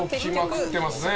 動きまくってますね。